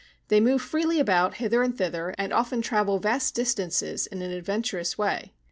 They move freely about hither and thither, and often travel vast distances in an adventurous way.